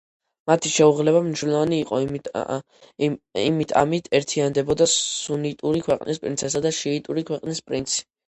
მათი შეუღლება მნიშვნელოვანი იყო იმით, ამით ერთიანდებოდა სუნიტური ქვეყნის პრინცესა და შიიტური ქვეყნის პრინცი.